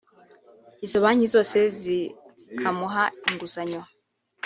izo banki zose zikamuha inguzanyo